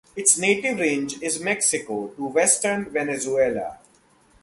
Its native range is Mexico to western Venezuela.